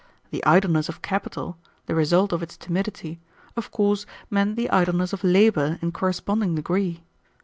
The idleness of capital, the result of its timidity, of course meant the idleness of labor in corresponding degree.